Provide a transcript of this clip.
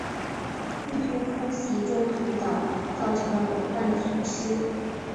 日军空袭中途岛造成了广泛的损失。